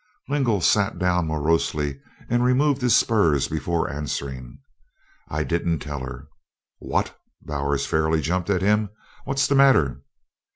Lingle sat down morosely and removed his spurs before answering. "I didn't tell her." "What!" Bowers fairly jumped at him. "What's the matter?"